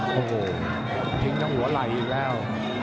โอ้โหทิ้งทั้งหัวไหล่อีกแล้ว